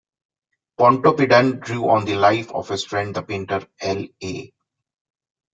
Pontoppidan drew on the life of his friend the painter L. A.